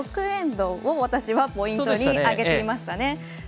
６エンドを私はポイントに挙げていましたね。